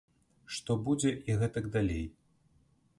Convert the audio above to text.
Што будзе і гэтак далей.